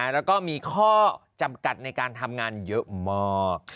แล้วก็มีข้อจำกัดในการทำงานเยอะมาก